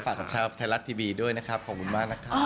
กับชาวไทยรัฐทีวีด้วยนะครับขอบคุณมากนะครับ